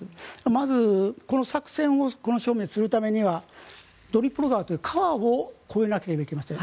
まず、この正面で作戦をするためにはドニプロ川という川を越えなければいけません。